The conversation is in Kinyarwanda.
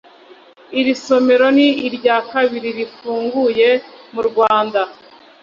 Iri somero ni irya kabiri rifunguye mu Rwanda